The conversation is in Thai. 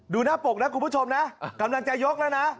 ดูหน้าปกนะคุณผู้ชมนะกำลังจะยกแล้วนะ